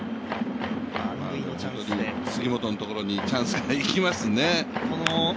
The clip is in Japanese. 杉本のところにチャンスがいきますね。